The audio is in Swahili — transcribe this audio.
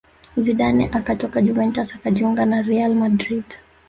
Zidane akatoka Juventus akajiunga real madrid